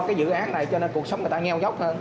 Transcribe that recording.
cái dự án này cho nên cuộc sống người ta nheo dốc hơn